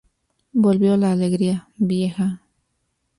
Volvió la alegría, vieja!